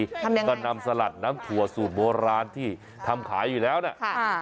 ทำยังไงก็นำสลัดน้ำถั่วสูตรโบราณที่ทำขายอยู่แล้วน่ะค่ะ